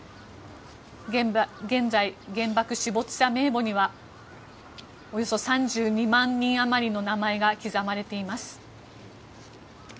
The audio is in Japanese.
現在、原爆死没者名簿にはおよそ３２万人余りの名前が刻まれています。